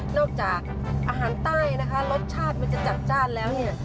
จากอาหารใต้นะคะรสชาติมันจะจัดจ้านแล้วเนี่ย